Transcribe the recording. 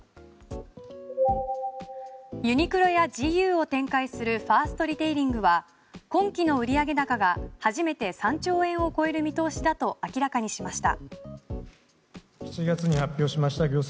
ユニクロやＧＵを展開するファーストリテイリングは今季の売上高が初めて３兆円を超える見通しだと明らかにしました。